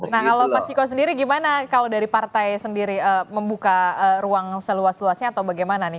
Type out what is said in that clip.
nah kalau mas ciko sendiri gimana kalau dari partai sendiri membuka ruang seluas luasnya atau bagaimana nih